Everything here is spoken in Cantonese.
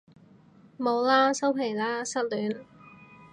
冇喇收皮喇失戀